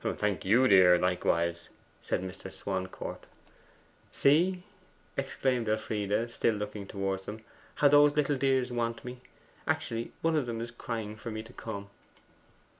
'Thank you, dear, likewise,' said Mr. Swancourt. 'See,' exclaimed Elfride, still looking towards them, 'how those little dears want me! Actually one of them is crying for me to come.